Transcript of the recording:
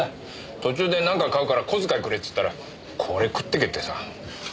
途中でなんか買うから小遣いくれっつったらこれ食っとけってさ。